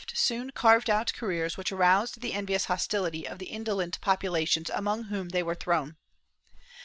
II] THE QBANADAN EXILES 341 soon carved out careers which aroused the envious hostility of the indolent populations among whom they were thrown.